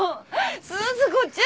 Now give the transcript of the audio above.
鈴子ちゃん！